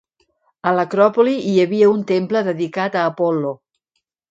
A l'acròpoli hi havia un temple dedicat a Apol·lo.